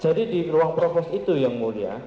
jadi di ruang provos itu yang mulia